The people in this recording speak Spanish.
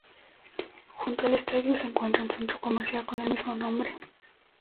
Junto al estadio se encuentra un centro comercial con el mismo nombre.